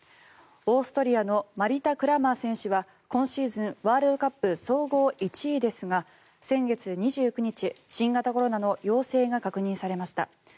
オーストリアのマリタ・クラマー選手は今シーズンワールドカップ総合１位ですが先月２９日、新型コロナの陽性が確認されました。